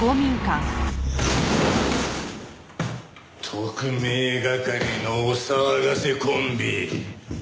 特命係のお騒がせコンビ。